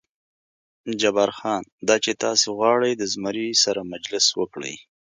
جبار خان: دا چې تاسې غواړئ د زمري سره مجلس وکړئ.